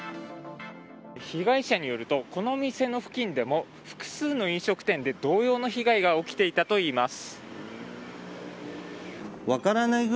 被害者によるとこの店の付近でも複数の飲食店で同様の被害が起きていたといいます。